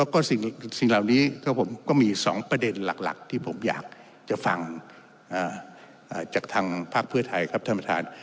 แล้วก็สิ่งเหล่านี้ผมก็มี๒ประเด็นหลักที่ผมอยากจะฟังจากทางภาคเพื่อไทยครับท่านประธาน